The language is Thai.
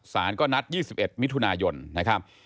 สารก็นัด๒๑มิถุนายนนะครับ